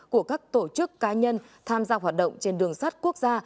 của các tổ chức cá nhân tham gia hoạt động trên đường sắt quốc gia